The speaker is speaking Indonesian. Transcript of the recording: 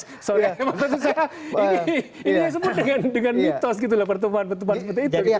ini saya yang sebut dengan mitos gitu lah pertemuan pertemuan seperti itu